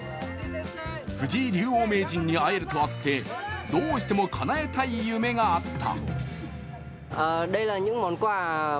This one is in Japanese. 藤井竜王名人に会えるとあってどうしてもかなえたい夢があった。